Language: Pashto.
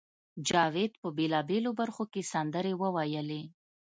جاوید په بېلابېلو برخو کې سندرې وویلې